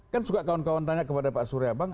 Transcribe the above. kan suka kawan kawan tanya kepada pak suryabang